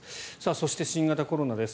そして新型コロナです。